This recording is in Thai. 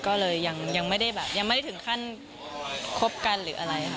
ก็เลยยังไม่ได้ถึงขั้นคบกันหรืออะไรค่ะ